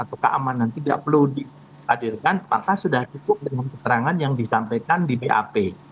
atau keamanan tidak perlu dihadirkan apakah sudah cukup dengan keterangan yang disampaikan di bap